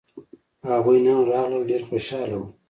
هغوی نن راغلل ډېر خوشاله وو